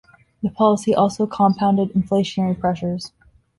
The policy also compounded inflationary pressures.